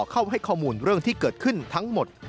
เข้าให้ข้อมูลเรื่องที่เกิดขึ้นทั้งหมด